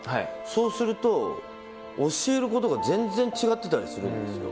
そうすると、教えることが全然違ってたりするんですよ。